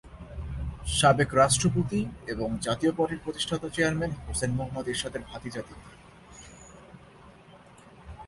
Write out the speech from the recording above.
সাবেক রাষ্ট্রপতি এবং জাতীয় পার্টির প্রতিষ্ঠাতা চেয়ারম্যান হুসেইন মুহাম্মদ এরশাদের ভাতিজা তিনি।